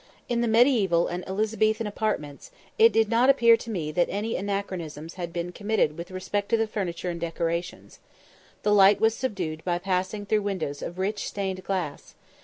In the Mediaeval and Elizabethan apartments, it did not appear to me that any anachronisms had been committed with respect to the furniture and decorations. The light was subdued by passing through windows of rich stained glass.